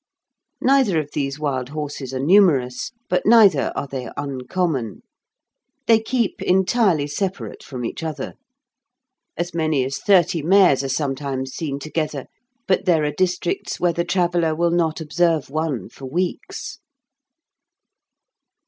Neither of these wild horses are numerous, but neither are they uncommon. They keep entirely separate from each other. As many as thirty mares are sometimes seen together, but there are districts where the traveller will not observe one for weeks.